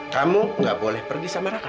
kamu gak boleh pergi sama mereka